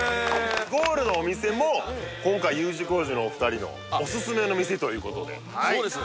ゴールのお店も今回Ｕ字工事のお二人のおすすめの店ということでそうです